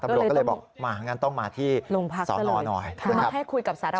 ตำรวจก็เลยบอกงั้นต้องมาที่โรงพักอีกคุณมาให้คุยกับสารวัตร